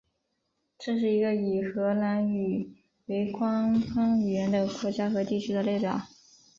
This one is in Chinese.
这是一个以荷兰语为官方语言的国家和地区的列表。